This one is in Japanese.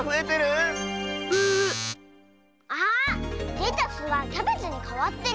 レタスがキャベツにかわってる？